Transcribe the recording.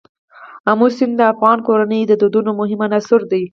آمو سیند د افغان کورنیو د دودونو مهم عنصر دی.